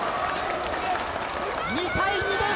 ２対２です。